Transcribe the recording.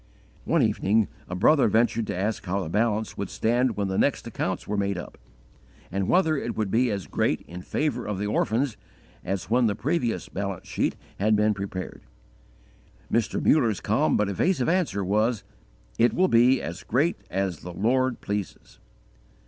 _ One evening a brother ventured to ask how the balance would stand when the next accounts were made up, and whether it would be as great in favour of the orphans as when the previous balance sheet had been prepared. Mr. Mutter's calm but evasive answer was: _"It will be as great as the Lord pleases."